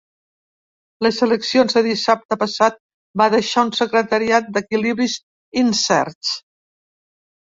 Les eleccions de dissabte passat va deixar un secretariat d’equilibris incerts.